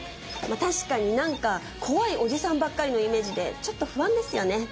確かになんか怖いおじさんばっかりのイメージでちょっと不安ですよね。